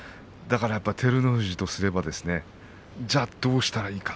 照ノ富士とすればじゃあどうしたらいいのか。